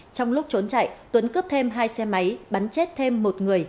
trong lúc trốn chạy tuấn cướp thêm hai xe máy bắn chết thêm một người